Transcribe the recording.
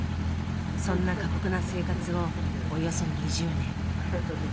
そんな過酷な生活をおよそ２０年。